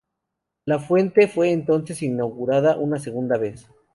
La fuente fue entonces inaugurada una segunda vez.